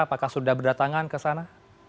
apakah sudah berdatangan ke sana